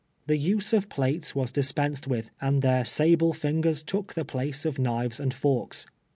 Tlie use of plates was dispensed with, and their sable fingers took the place of knives and forks.